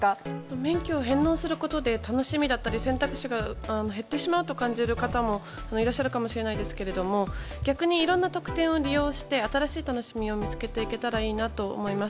免許を返納することで楽しみや選択肢が減ってしまうと思う方もいらっしゃるかもしれませんが逆にいろんな特典を利用して新しい楽しみを見つけていけたらいいなと思います。